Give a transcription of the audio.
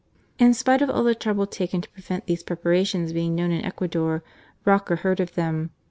In spite of all the trouble taken to prevent these preparations being known in Ecuador, Roca heard of them.